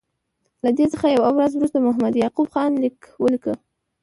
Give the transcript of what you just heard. له دې څخه یوه ورځ وروسته محمد یعقوب خان لیک ولیکه.